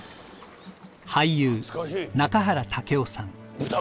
俳優中原丈雄さん。